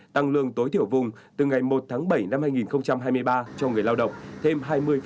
tăng lương tối thiểu vùng từ ngày một tháng bảy năm hai nghìn hai mươi ba cho người lao động thêm hai mươi